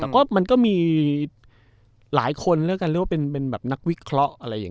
แต่ก็มันก็มีหลายคนแล้วกันเรียกว่าเป็นแบบนักวิเคราะห์อะไรอย่างนี้